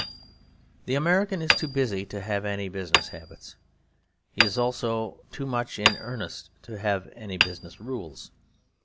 The American is too busy to have business habits. He is also too much in earnest to have business rules.